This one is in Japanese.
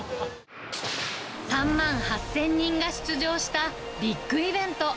３万８０００人が出場したビッグイベント。